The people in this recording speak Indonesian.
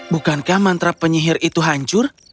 bukankah mantra penyihir itu hancur